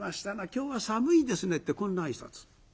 「今日は寒いですね」ってこんな挨拶。